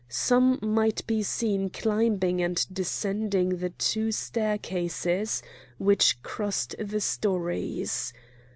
Some might be seen climbing and descending the two staircases which crossed the stories.